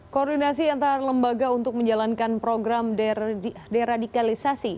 koordinasi antar lembaga untuk menjalankan program deradikalisasi